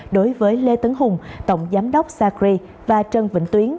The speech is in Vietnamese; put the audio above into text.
đối với lê tấn hùng tổng giám đốc sacri và trần vĩnh tuyến